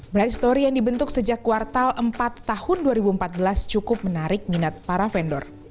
bright story yang dibentuk sejak kuartal empat tahun dua ribu empat belas cukup menarik minat para vendor